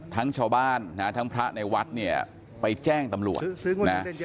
ชาวบ้านนะฮะทั้งพระในวัดเนี่ยไปแจ้งตำรวจนะ